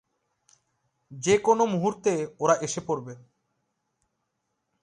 যেকোনো মুহুর্তে ওরা এসে পড়বে।